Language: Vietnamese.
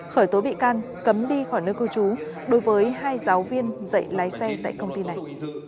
khởi tố bị can cấm đi khỏi nơi cư trú đối với hai giáo viên dạy lái xe tại công ty này